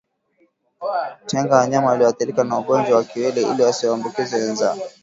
Tenga wanyama walioathirika na ugonjwa wa kiwele ili wasiwaambukize wenzao